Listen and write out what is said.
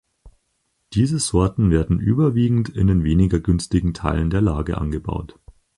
Diese Sorten werden überwiegend in den weniger günstigen Teilen der Lage angebaut.